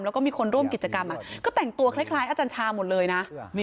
แล้วก็มีคนร่วมกิจกรรมก็แต่งตัวคล้ายอาจารย์ชาหมดเลยนะ